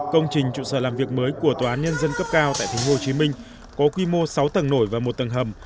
công trình trụ sở làm việc mới của tòa án nhân dân cấp cao tại tp hcm có quy mô sáu tầng nổi và một tầng hầm